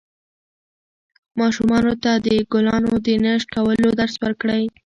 ماشومانو ته د ګلانو د نه شکولو درس ورکړئ.